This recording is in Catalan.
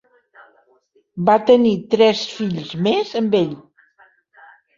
Va tenir tres fills més amb ell.